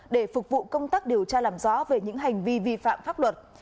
để phục vụ công tác điều tra làm rõ về những hành vi vi phạm pháp luật